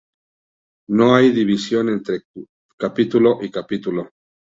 No hay división entre capítulo y capítulo.